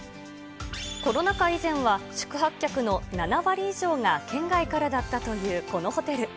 コロナ禍以前は、宿泊客の７割以上が県外からだったというこのホテル。